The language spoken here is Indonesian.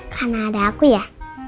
karena ada aku ya